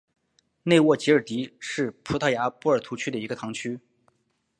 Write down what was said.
内沃吉尔迪是葡萄牙波尔图区的一个堂区。